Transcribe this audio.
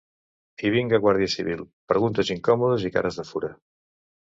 I vinga guàrdia civil, preguntes incòmodes i cares de fura.